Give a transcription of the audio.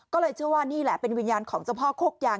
ก็เลยเชื่อว่านี่แหละเป็นวิญญาณของเจ้าพ่อโคกยาง